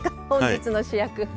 本日の主役。